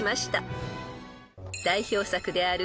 ［代表作である］